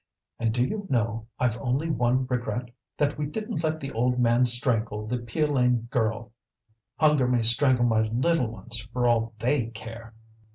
And do you know I've only one regret, that we didn't let the old man strangle the Piolaine girl. Hunger may strangle my little ones for all they care!"